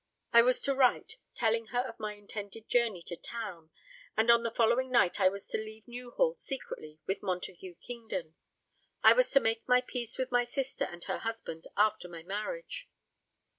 I was to write, telling her of my intended journey to town; and on the following night I was to leave Newhall secretly with Montague Kingdon. I was to make my peace with my sister and her husband after my marriage.